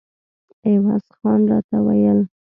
عوض خان راته ویل.